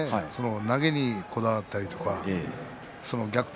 投げにこだわったりとか逆転